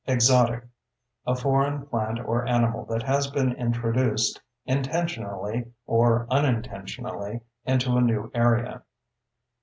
EXOTIC: A foreign plant or animal that has been introduced, intentionally or unintentionally, into a new area.